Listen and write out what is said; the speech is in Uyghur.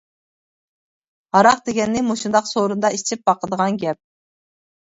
ھاراق دېگەننى مۇشۇنداق سورۇندا ئىچىپ باقىدىغان گەپ.